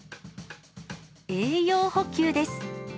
栄養補給です。